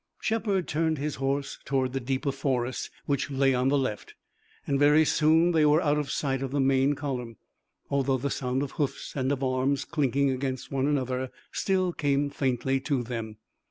Shepard turned his horse toward the deeper forest, which lay on the left, and very soon they were out of sight of the main column, although the sound of hoofs and of arms, clinking against one another, still came faintly to them.